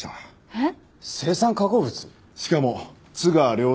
えっ？